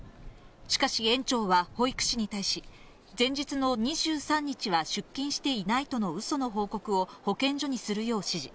しかし、園長は保育士に対し、前日の２３日は出勤していないとのうその報告を保健所にするよう指示。